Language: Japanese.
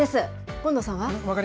権藤さんは。